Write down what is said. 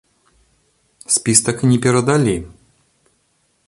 Спіс так і не перадалі.